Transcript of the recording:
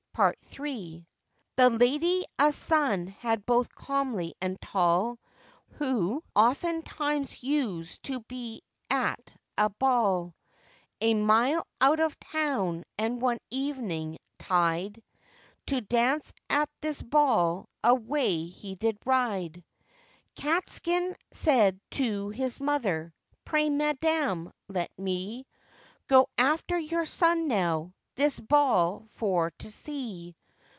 PART III. The lady a son had both comely and tall, Who oftentimes usèd to be at a ball A mile out of town; and one evening tide, To dance at this ball away he did ride. Catskin said to his mother, 'Pray, madam, let me Go after your son now, this ball for to see.